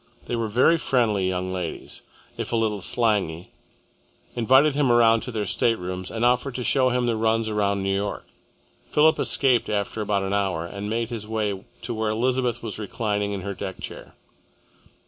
They were very friendly young ladies, if a little slangy, invited him around to their staterooms, and offered to show him the runs around New York. Philip escaped after about an hour and made his way to where Elizabeth was reclining in her deck chair.